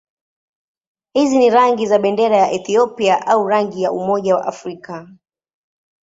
Hizi ni rangi za bendera ya Ethiopia au rangi za Umoja wa Afrika.